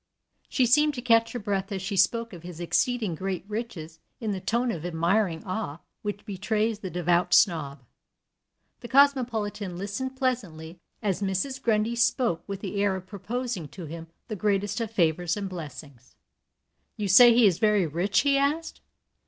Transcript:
She seemed to catch her breath as she spoke of his exceeding great riches in the tone of admiring awe which betrays the devout snob. The cosmopolitan listened pleasantly as Mrs. Grundy spoke with the air of proposing to him the greatest of favors and blessings. "You say he is very rich?" he asked.